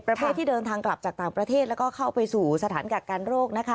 ประเภทที่เดินทางกลับจากต่างประเทศแล้วก็เข้าไปสู่สถานกักกันโรคนะคะ